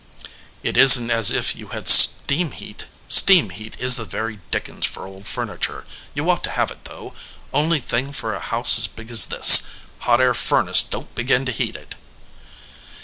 "It isn t as if you had steam heat. Steam heat is the very dickens for old furniture. You ought to have it, though. Only thing for a house as big as this. Hot air furnace don t begin to heat it."